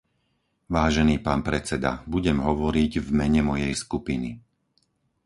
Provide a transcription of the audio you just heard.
Vážený pán predseda, budem hovoriť v mene mojej skupiny.